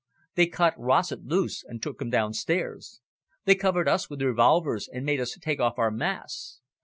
They cut Rossett loose and took him downstairs. They covered us with revolvers, and made us take off our masks.